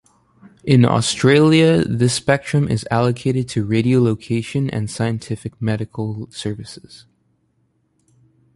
In Australia, this spectrum is allocated to radiolocation and scientific-medical services.